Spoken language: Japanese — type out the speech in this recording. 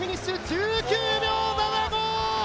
１９秒７５！